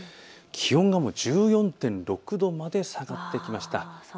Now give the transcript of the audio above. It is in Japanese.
気温が１４．６度まで下がってきました。